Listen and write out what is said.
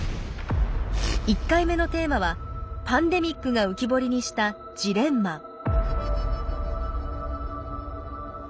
１回目のテーマはパンデミックが浮き彫りにしたジレンマ。